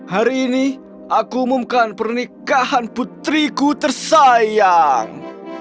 hari ini aku umumkan pernikahan putriku tersayang